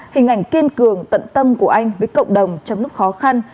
hình ảnh kiên cường tận tâm của anh với cộng đồng trong lúc khó khăn